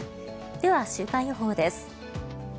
では、週間予報です。